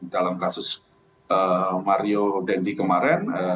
dalam kasus mario dendi kemarin